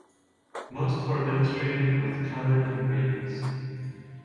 Most were illustrated with coloured engravings.